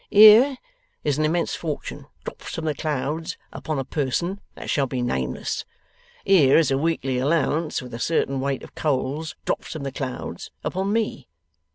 Here is an immense fortune drops from the clouds upon a person that shall be nameless. Here is a weekly allowance, with a certain weight of coals, drops from the clouds upon me.